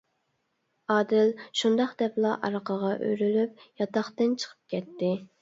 ئادىل شۇنداق دەپلا ئارقىغا ئۆرۈلۈپ ياتاقتىن چىقىپ كەتتى.